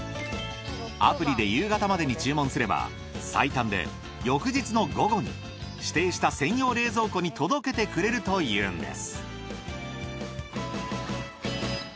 アプリで夕方までに注文すれば最短で翌日の午後に指定した専用冷蔵庫に届けてくれるというのです。